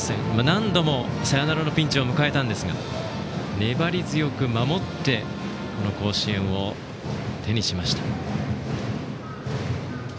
何度もサヨナラのピンチを迎えたんですが粘り強く守ってこの甲子園を手にしました。